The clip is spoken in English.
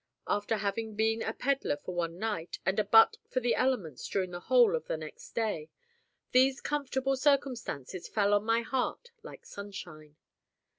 After having been a pedlar for one night, and a butt for the elements during the whole of the next day, these comfortable circumstances fell on my heart like sunshine.